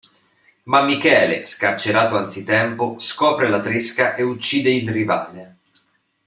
Ma Michele, scarcerato anzitempo, scopre la tresca e uccide il rivale.